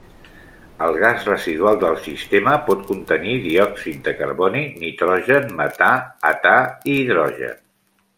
El gas residual del sistema pot contenir diòxid de carboni, nitrogen, metà, età i hidrogen.